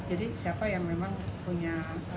jadi siapa yang memang punya